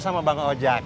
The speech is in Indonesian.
sama bang ojak